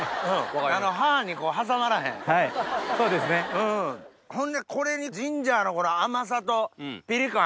ほんでこれにジンジャーの甘さとピリ感。